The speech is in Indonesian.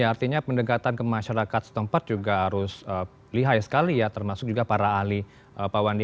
artinya pendekatan ke masyarakat setempat juga harus lihai sekali ya termasuk juga para ahli pak wandi